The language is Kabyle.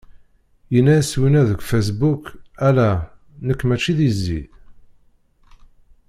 Yenna-yas winna deg Facebook: ala, nekk mačči d izi!